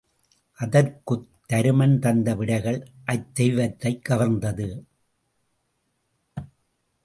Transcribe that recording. அதற்குத் தருமன் தந்த விடைகள் அத்தெய்வத்தைக் கவர்ந்தது.